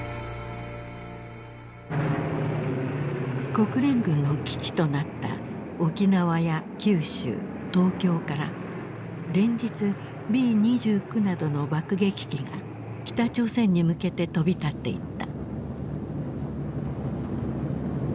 国連軍の基地となった沖縄や九州東京から連日Ｂ２９などの爆撃機が北朝鮮に向けて飛び立っていった。